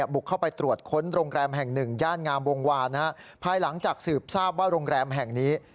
บุกเข้าไปตรวจค้นโรงแรมแห่งหนึ่งย่านงามวงวานภายหลังจากสืบทราบว่าโรงแรมแห่งนี้